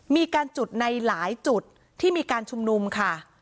มีการจุดในหลายจุดที่มีการชุมนุมค่ะ